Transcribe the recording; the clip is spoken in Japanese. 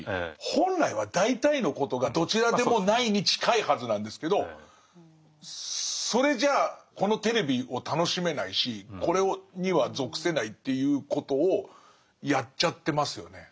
本来は大体のことが「どちらでもない」に近いはずなんですけどそれじゃこのテレビを楽しめないしこれには属せないということをやっちゃってますよね。